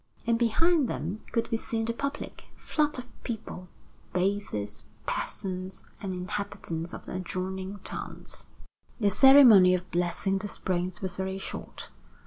And behind them could be seen the public, a flood of people bathers, peasants, and inhabitants of the adjoining towns. The ceremony of blessing the springs was very short.